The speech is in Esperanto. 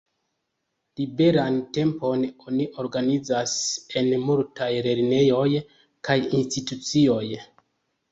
Liberan tempon oni organizas en multaj lernejoj kaj institucioj.